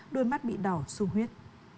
đôi mắt bị đỏ sung huyết